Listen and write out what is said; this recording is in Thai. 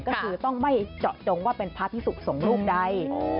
ก็คือต้องไม่เจาะจงว่าเป็นพระพิสุขสงฆ์รูปใด